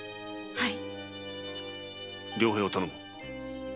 はい。